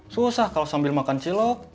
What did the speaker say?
susah kalau sambil makan cilok